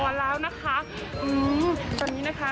สวัสดีครับคุณผู้ชมครับ